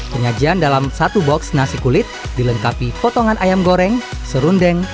penyajian dalam satu box nasi kulit dilengkapi potongan ayam goreng serundeng